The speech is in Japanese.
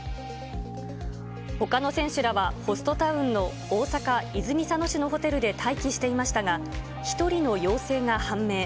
ほかの選手らはホストタウンの大阪・泉佐野市のホテルで待機していましたが、１人の陽性が判明。